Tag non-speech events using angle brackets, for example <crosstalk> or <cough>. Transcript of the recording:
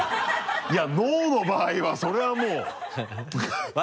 いや ＮＯ の場合はそれはもうハハハ <laughs>